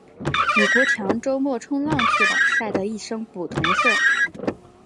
李国强周末冲浪去了，晒得一身古铜色。